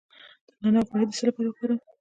د نعناع غوړي د څه لپاره وکاروم؟